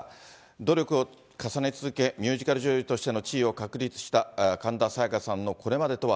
努力を重ね続け、ミュージカル女優としての地位を確立した神田沙也加さんのこれまでとは。